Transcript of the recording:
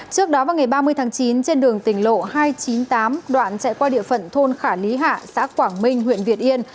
trước đó vào ngày ba mươi tháng chín trên đường tỉnh lộ hai trăm chín mươi tám đoạn chạy qua địa phận thôn khả lý hạ xã quảng minh huyện việt yên